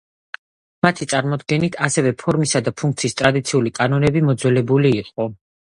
მათი წარმოდგენით ასევე ფორმისა და ფუნქციის ტრადიციული კანონები მოძველებული იყო.